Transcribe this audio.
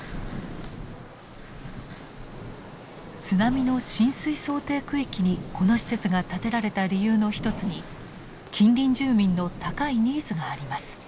津波の浸水想定区域にこの施設が建てられた理由の一つに近隣住民の高いニーズがあります。